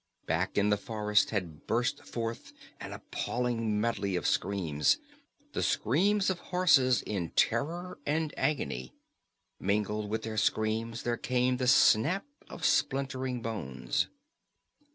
Back in the forest had burst forth an appalling medley of screams the screams of horses in terror and agony. Mingled with their screams there came the snap of splintering bones.